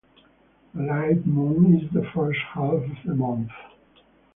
The light moon is the first half of the month.